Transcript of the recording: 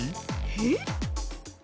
えっ？